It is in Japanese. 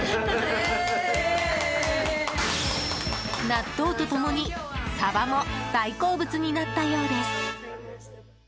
納豆と共にサバも大好物になったようです。